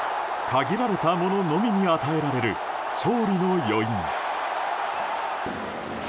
限られた者のみに与えられる勝利の余韻。